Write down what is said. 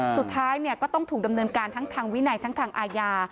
สุดท้ายก็ต้องถูกดำเนินการทั้งทางวินัยทั้งทางอาญา